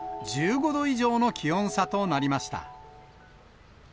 １５度以上の気温差となりました。